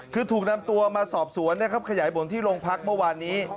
คือถูกนำตัวมาสอบสวนขยายบนที่โรงพักษณ์เมื่อวานนี้